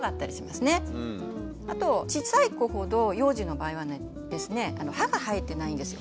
あと小さい子ほど幼児の場合はですね歯が生えてないんですよ。